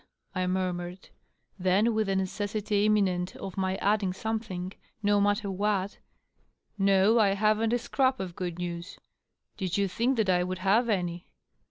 I murmured. Then, with the necessiiy imminent of my adding something, no matter what, " No, I haven't a scrap of. good news. Did you think that I would have any